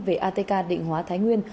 về atk định hóa thái nguyên